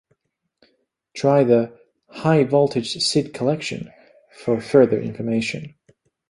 Try the "High Voltage Sid Collection" for further information.